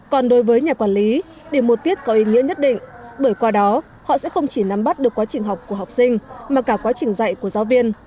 còn đối với nhà quản lý điểm một tiết có ý nghĩa nhất định bởi qua đó họ sẽ không chỉ nắm bắt được quá trình học của học sinh mà cả quá trình dạy của giáo viên